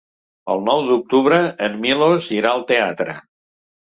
El nou d'octubre en Milos irà al teatre.